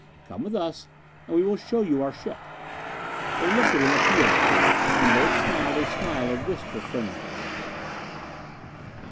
Come with us and we will show you our ship." They looked at him appealingly, and both smiled a smile of wistful friendliness.